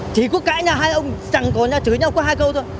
chỉ có cãi nhà hai ông chẳng có nhà chửi nhau có hai câu thôi